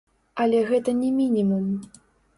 Але гэта не мінімум.